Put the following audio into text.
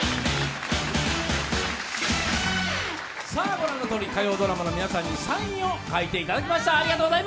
ご覧のとおり火曜ドラマの皆さんにサインを書いていただきました。